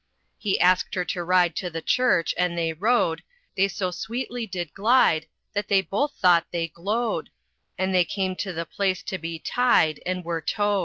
He asked her to ride to the church and they rode; They so sweetly did glide, that they both thought they glode, And they came to the place to be tied, and were tode.